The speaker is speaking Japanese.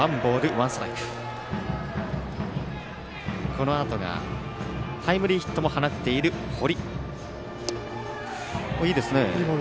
このあとがタイムリーヒットも放っている堀。